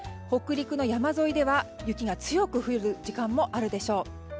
北陸の山沿いでは雪が強く降る時間もあるでしょう。